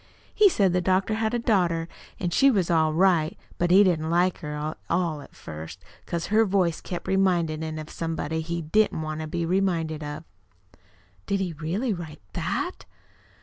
He said the doctor had a daughter, an' she was all right; but he didn't like her at all at first, 'cause her voice kept remindin' him of somebody he didn't want to be reminded of." "Did he really write THAT?"